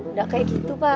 nggak kayak gitu pak